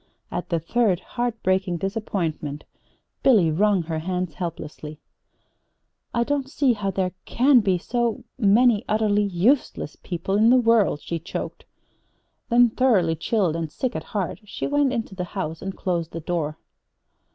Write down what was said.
At the third heart breaking disappointment, Billy wrung her hands helplessly. "I don't see how there can be so many utterly useless people in the world!" she choked. Then, thoroughly chilled and sick at heart, she went into the house and closed the door.